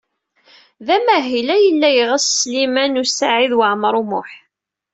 D amahil ay yella yeɣs Sliman U Saɛid Waɛmaṛ U Muḥ.